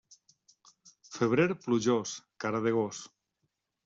Febrer plujós, cara de gos.